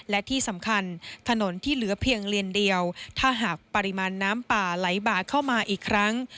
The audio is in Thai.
และที่สำคัญถนนที่เหลือเพียงเลนเดียวถ้าหากปริมาณน้ำป่าไหลบ่าเข้ามาอีกครั้ง